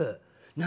何？